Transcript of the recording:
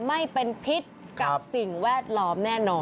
ไม่เป็นพิษกับสิ่งแวดล้อมแน่นอน